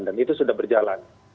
dan itu sudah berjalan